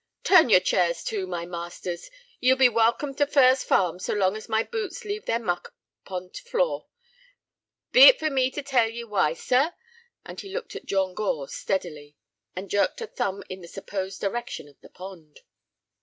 "Turn your chairs to, my masters. Ye'll be welcome to Furze Farm so long as my boots leave their muck upon t' floor. Be it for me to tell ye for why, sir?" And he looked at John Gore steadily, and jerked a thumb in the supposed direction of the pond.